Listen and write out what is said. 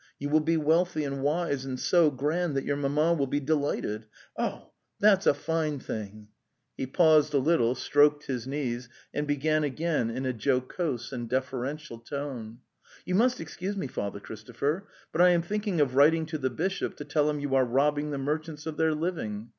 You will be wealthy and wise and so grand that your mamma will be delighted. Oh, that's a fine thing! "' 194 The Tales of Chekhov He paused a little, stroked his knees, and began again in a jocose and deferential tone. 'You must excuse me, Father Christopher, but I am thinking of writing to the bishop to tell him you are robbing the merchants of their living.